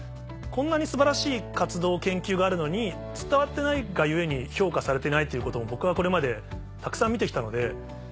こんなに素晴らしい活動研究があるのに伝わってないが故に評価されてないということも僕はこれまでたくさん見て来たので。